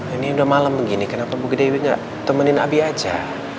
ini udah malam begini kenapa bu gede nggak temenin abi aja